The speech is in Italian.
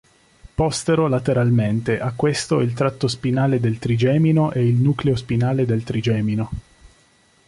Postero-lateralmente a questo il tratto spinale del trigemino e il nucleo spinale del trigemino.